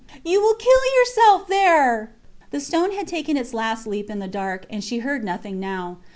You will kill yourself there. The stone had taken its last leap in the dark, and she heard nothing now.